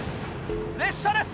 列車です